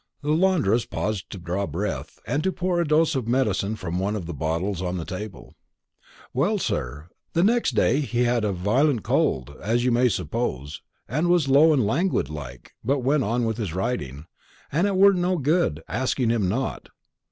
The laundress paused to draw breath, and to pour a dose of medicine from one of the bottles on the table. "Well, sir, the next day, he had a vi'lent cold, as you may suppose, and was low and languid like, but went on with his writing, and it weren't no good asking him not.